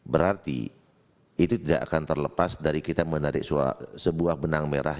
berarti itu tidak akan terlepas dari kita menarik sebuah benang merah